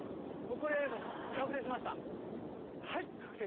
もうこれ確定しました？